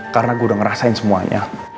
karena gue udah ngerasain semuanya